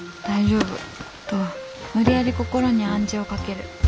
「大丈夫」と無理やり心に暗示をかける。